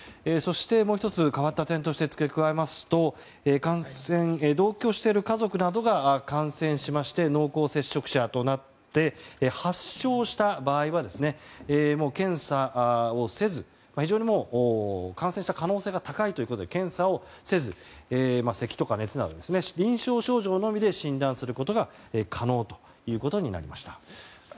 もう１つ変わった点として付け加えますと同居している家族などが感染しまして濃厚接触者となって発症した場合は検査をせず感染した可能性が高いということで検査をせずせきとか熱など臨床症状のみで診断することが可能ということになりました。